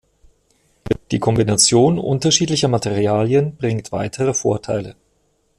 Die Kombination unterschiedlicher Materialien bringt weitere Vorteile.